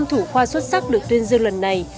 một trăm linh thủ khoa xuất sắc được tuyên dương lần này